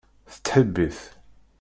Tettḥibbi-t.